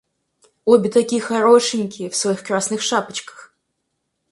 Обе такие хорошенькие в своих красных шапочках.